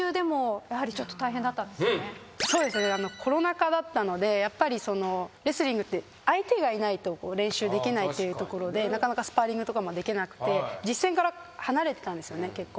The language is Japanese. そうですねコロナ禍だったのでやっぱりレスリングって相手がいないと練習できないっていうところでなかなかスパーリングとかもできなくて実戦から離れてたんですよね結構。